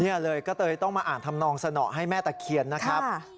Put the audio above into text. นี่เลยก็เลยต้องมาอ่านทำนองสนอให้แม่ตะเคียนนะครับ